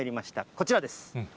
こちらです。